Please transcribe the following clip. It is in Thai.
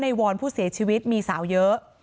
วอนผู้เสียชีวิตมีสาวเยอะ